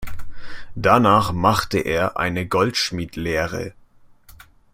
Danach machte er eine Goldschmied-Lehre.